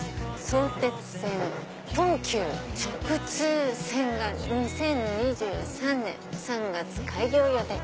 相鉄線東急直通線が２０２３年３月開業予定。